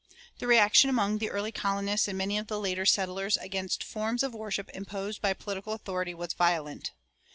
The reaction among the early colonists and many of the later settlers against forms of worship imposed by political authority was violent.